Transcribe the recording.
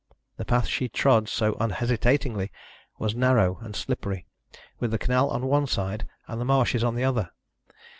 The path she trod so unhesitatingly was narrow, and slippery, with the canal on one side and the marshes on the other.